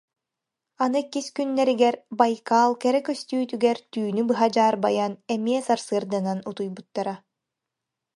Аны иккис күннэригэр Байкал кэрэ көстүүтүгэр түүнү быһа дьаарбайан, эмиэ сарсыарданан утуйбуттара